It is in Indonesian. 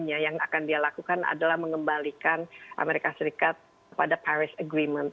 yang akan dia lakukan adalah mengembalikan amerika serikat kepada paris agreement